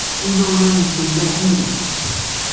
Imawlan-nsen llan ḥemmlen-t.